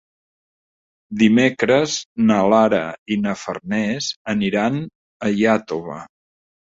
Dimecres na Lara i na Farners aniran a Iàtova.